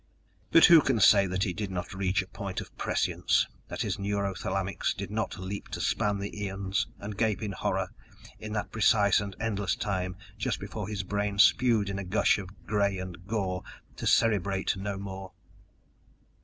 _But who can say he did not reach a point of prescience, that his neuro thalamics did not leap to span the eons, and gape in horror, in that precise and endless time just before his brains spewed in a gush of gray and gore, to cerebrate no more?